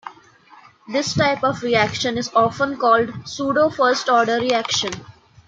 This type of reaction is often called a pseudo first order reaction.